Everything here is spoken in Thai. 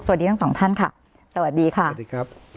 สวัสดีทั้งสองท่านค่ะสวัสดีค่ะสวัสดีครับ